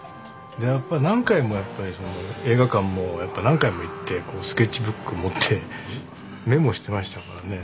やっぱり何回も映画館も何回も行ってスケッチブック持ってメモしてましたからね。